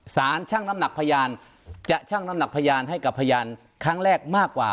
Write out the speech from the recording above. ชั่งน้ำหนักพยานจะชั่งน้ำหนักพยานให้กับพยานครั้งแรกมากกว่า